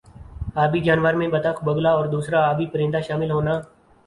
آبی جانور میں بطخ بگلا اور دُوسْرا آبی پرندہ شامل ہونا